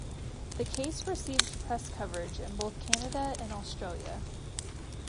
The case received press coverage in both Canada and Australia.